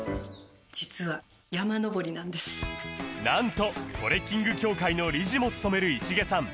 実はなんとトレッキング協会の理事も務める市毛さん